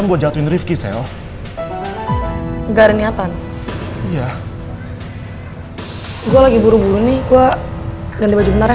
gue lagi buru buru nih gue ganti baju bentar ya